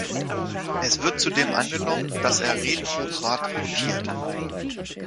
Es wird zudem angenommen, dass er retrograd rotiert.